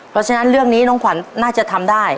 เพราะฉะนั้นเรื่องนี้น้องขวัญน่าจะทำได้